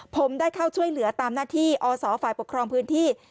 ผมได้เข้าช่วยเหลือตามหน้าที่อศฝ่ายปกครองพื้นที่